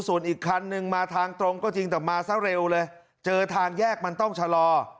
ส่วนอีกคันนึงมาทางตรงก็จริงแต่มาซะเร็วเลยเจอทางแยกมันต้องชะลอ